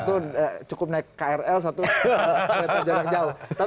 satu cukup naik krl satu jauh jauh